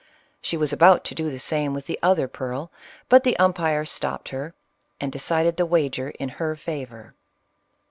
She was about to do the same with the other pearl, but the umpire stopped her, and decided the wager in her favor.